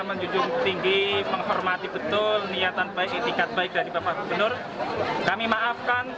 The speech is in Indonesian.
menjunjung tinggi menghormati betul niatan baik itikat baik dari bapak gubernur kami maafkan